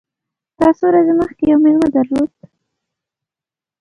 تا څو ورځي مخکي یو مېلمه درلود !